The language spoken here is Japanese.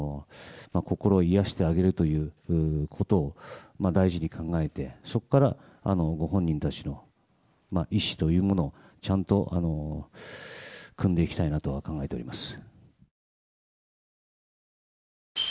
心を癒やしてあげるということを第一に考えて、そこからご本人たちの意思というものをちゃんと汲んでいきたいなと思っております。